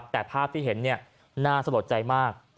แต่ภาพที่เห็นน่าสลดใจมาก